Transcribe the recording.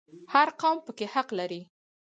هر قوم پکې حق لري